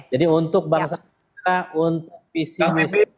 jadi untuk bangsa kita untuk visi visi